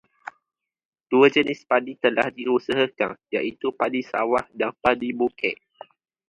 Dua jenis padi telah diusahakan iaitu padi sawah dan padi bukit.